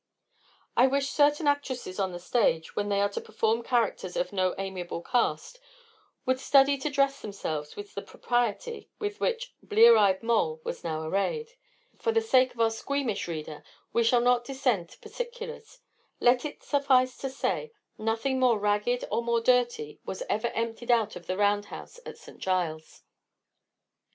I wish certain actresses on the stage, when they are to perform characters of no amiable cast, would study to dress themselves with the propriety with which Blear eyed Moll was now arrayed. For the sake of our squeamish reader, we shall not descend to particulars; let it suffice to say, nothing more ragged or more dirty was ever emptied out of the round house at St Giles's.